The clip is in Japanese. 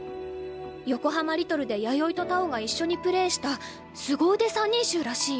横浜リトルで弥生と太鳳が一緒にプレーした凄腕３人衆らしいよ。